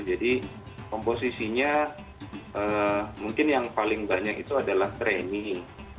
jadi komposisinya mungkin yang paling banyak itu adalah training